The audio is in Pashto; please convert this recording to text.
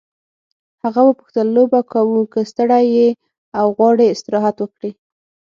هغه وپوښتل لوبه کوو که ستړی یې او غواړې استراحت وکړې.